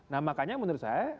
nah makanya menurut saya